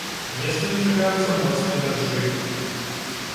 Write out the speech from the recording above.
Месцамі чакаюцца моцныя дажджы.